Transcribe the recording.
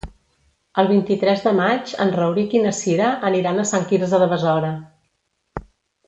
El vint-i-tres de maig en Rauric i na Cira aniran a Sant Quirze de Besora.